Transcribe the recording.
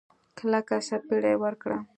کلکه سپېړه يې ورکړه.